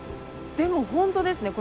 でも本当ですね。